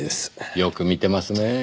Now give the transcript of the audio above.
よく見てますねぇ。